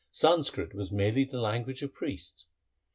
Sanskrit was merely the language of priests.